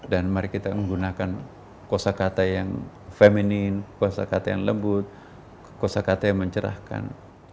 dan mari kita menggunakan kosa kata yang feminin kosa kata yang lembut kosa kata yang mencerahkan